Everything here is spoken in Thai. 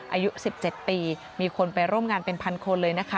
อายุ๑๗ปีมีคนไปร่วมงานเป็นพันคนเลยนะคะ